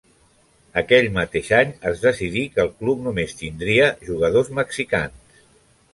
Aquell mateix any es decidí que el club només tindria jugadors mexicans.